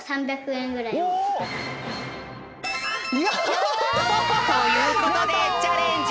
やった！ということでチャレンジ